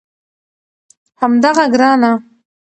همدغه ګرانه